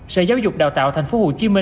sở giáo dục đào tạo tp hcm